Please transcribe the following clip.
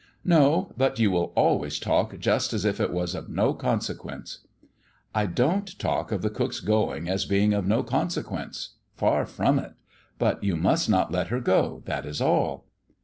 "No, but you will always talk just as if it was of no consequence." "I don't talk of the cook's going as being of no consequence. Far from it. But you must not let her go, that is all."